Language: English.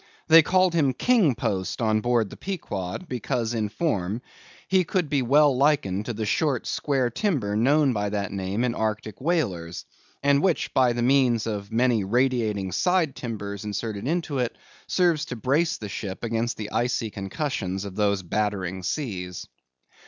They called him King Post on board of the Pequod; because, in form, he could be well likened to the short, square timber known by that name in Arctic whalers; and which by the means of many radiating side timbers inserted into it, serves to brace the ship against the icy concussions of those battering seas.